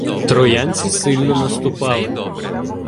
Троянці сильно наступали